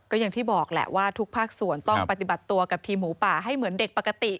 ก็อย่างที่บอกแหละว่าทุกภาคส่วนต้องปฏิบัติตัวกับทีมหมูป่าให้เหมือนเด็กปกติ